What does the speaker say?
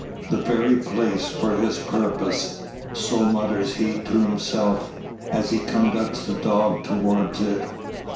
The very place for his purpose. So mutters he to himself, as he conducts the dog towards it.